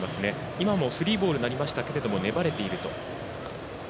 今もスリーボールになりましたが粘れていると。